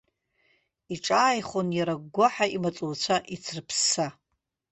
Иҿааихон иара, агәгәаҳәа имаҵуҩцәа ицрыԥсса.